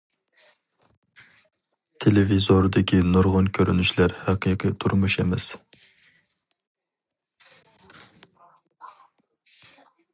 تېلېۋىزوردىكى نۇرغۇن كۆرۈنۈشلەر ھەقىقىي تۇرمۇش ئەمەس.